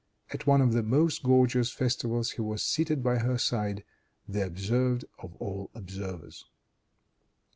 At one of the most gorgeous festivals he was seated by her side, the observed of all observers.